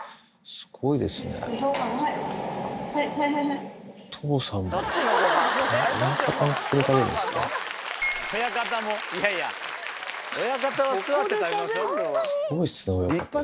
すごいですね親方。